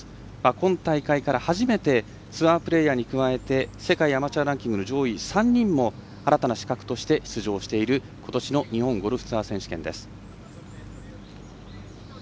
今大会から初めてツアープレーヤーに加えて世界アマチュアランキング上位の３人も新たな資格として出場していることしの日本ゴルフツアー選手権です。